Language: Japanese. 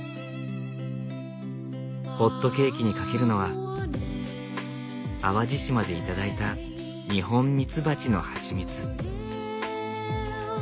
ホットケーキにかけるのは淡路島で頂いたニホンミツバチのハチミツ。